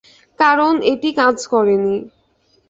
কারণ এটি কাজ করেনি।